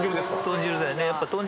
豚汁だよね。